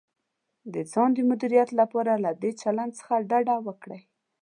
د ځان د مدیریت لپاره له دې چلند څخه ډډه وکړئ: